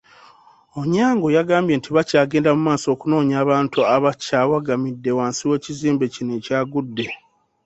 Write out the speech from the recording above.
Onyango yagambye nti bakyagenda mu maaso okunoonya abantu abakyawagamidde wansi w'ekizimbe kino ekyagudde.